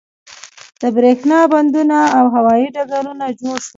د بریښنا بندونه او هوایی ډګرونه جوړ شول.